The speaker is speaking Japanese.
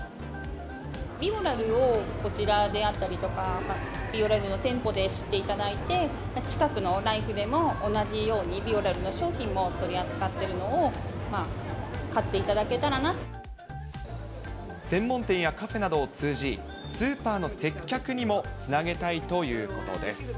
ビオラルをこちらであったりとか、ビオラルの店舗で知っていただいて、近くのライフでも同じようにビオラルの商品も取り扱っているのを専門店やカフェなどを通じ、スーパーの接客にもつなげたいということです。